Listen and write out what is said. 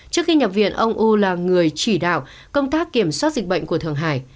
trước khi nhập viện ông u là người chỉ đạo công tác kiểm soát dịch bệnh của thường hải